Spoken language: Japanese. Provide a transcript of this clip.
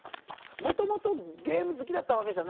もともとゲーム好きだったわけじゃないの？